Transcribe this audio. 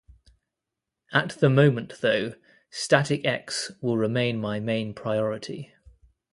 At the moment though, Static-X will remain my main priority.